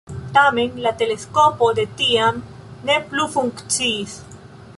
Tamen, la teleskopo de tiam ne plu funkciis.